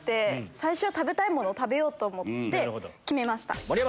最初は食べたいものを食べようと思って決めました。